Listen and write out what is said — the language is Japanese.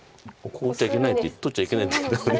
こう打っちゃいけないって取っちゃいけないって言ったのに。